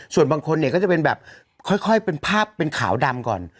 ส่วนบางคนเนี่ยก็จะเป็นแบบค่อยเป็นภาพเป็นขาวดำก่อน